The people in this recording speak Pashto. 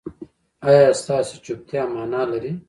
ایا ستاسو چوپتیا معنی لري؟